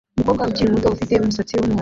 Umukobwa ukiri muto ufite umusatsi wumuhondo